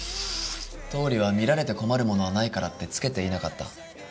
倒理は見られて困るものはないからってつけていなかった。